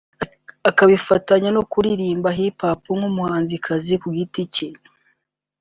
akabifatanya no kuririmba Hip Hop nk’umuhanzikazi ku giti cye